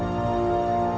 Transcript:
saya tidak tahu